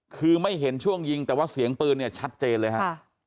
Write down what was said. คือไม่เห็นช่วงยิงแต่ว่าเสียงปืนเนี่ยชัดเจนเลยฮะ